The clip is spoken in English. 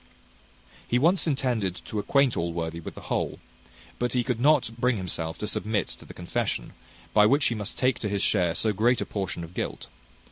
He once intended to acquaint Allworthy with the whole; but he could not bring himself to submit to the confession, by which he must take to his share so great a portion of guilt.